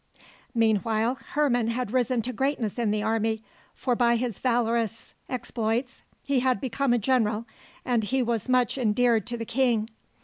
Meanwhile Herman had risen to greatness in the army, for by his valorous exploits he had become a general, and he was much endeared to the king.